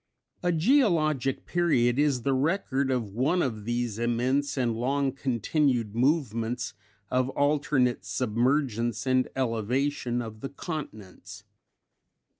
_ A geologic period is the record of one of these immense and long continued movements of alternate submergence and elevation of the continents.